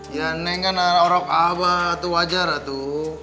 ya neng kan orang abah itu wajar lah tuh